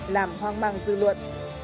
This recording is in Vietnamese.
làm hoang mang dư luận